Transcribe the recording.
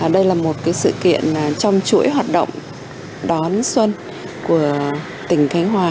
đây là một sự kiện trong chuỗi hoạt động đón xuân của tỉnh khánh hòa